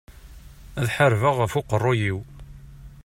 Ad ḥarbeɣ ɣef uqerru-iw.